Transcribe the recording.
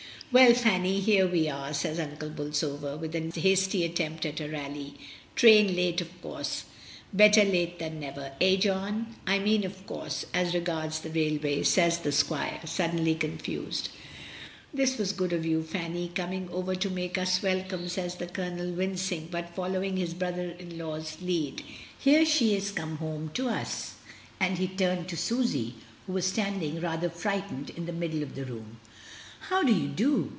"Well, Fanny, here we are," says Uncle Bolsover, with a hasty attempt at a rally. "Train late, of course. Better late than never — eh, John? I mean, of course, as regards the railway," says the squire, suddenly confused. "This was good of you, Fanny, coming over to make us welcome," says the Colonel, wincing, but following his brother in law's lead. "Here she is come home to us," and he turned to Susy, who was standing rather frightened in the middle of the room. "How do you do?"